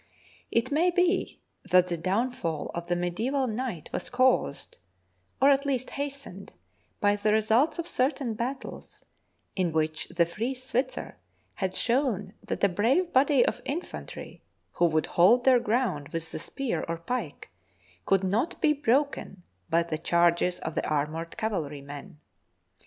It may be that the downfall of the mediaeval knight was caused, or at least hastened, by the re sults of certain battles in which the free Switzer had shown that a brave body of infantry who would hold their ground with the spear or pike could not be THE BOOK OF FAMOUS SIEGES broken by the charges of the armoured cavalrymen.